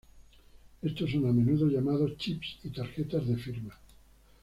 Estos son a menudo llamados "chips y tarjetas de firma".